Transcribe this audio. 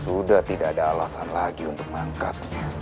sudah tidak ada alasan lagi untuk mangkat